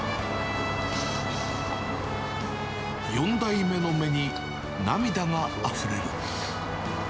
４代目の目に、涙があふれる。